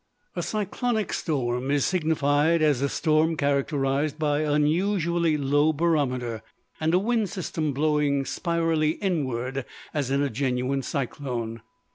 By a cyclonic storm is signified a storm characterized by unusually low barometer, and a wind system blowing spirally inward, as in a genuine cyclone.